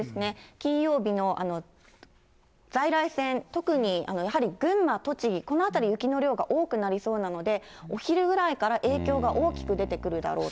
金曜日の在来線、特に、やはり群馬、栃木、この辺り、雪の量が多くなりそうなので、お昼ぐらいから影響が大きく出てくるだろうと。